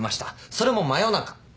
それも真夜中。